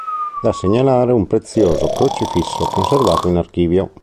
Da segnalare un prezioso crocifisso conservato in archivio.